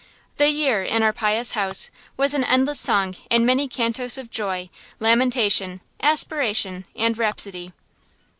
The year, in our pious house, was an endless song in many cantos of joy, lamentation, aspiration, and rhapsody.